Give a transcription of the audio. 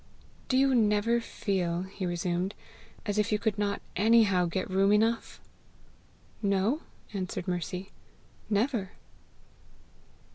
"Did you never feel," he resumed, "as if you could not anyhow get room enough?" "No," answered Mercy, "never."